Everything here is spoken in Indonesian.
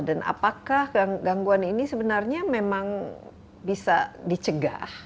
dan apakah gangguan ini sebenarnya memang bisa dicegah